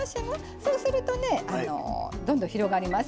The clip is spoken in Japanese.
そうするとねどんどん広がります。